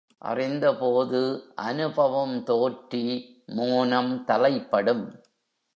அறிந்தபோது அநுபவம் தோற்றி, மோனம் தலைப்படும்.